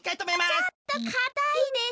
ちょっとかたいです。